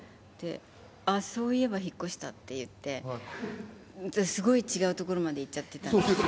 あっ、そういえば引っ越したって言って、すごい違う所まで行っちゃってた。